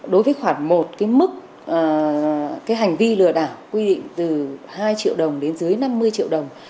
đối với khoản một cái mức cái hành vi lừa đảo quy định từ hai triệu đồng đến dưới năm mươi triệu đồng